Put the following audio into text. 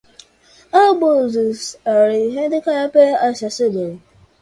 All buses are handicap accessible.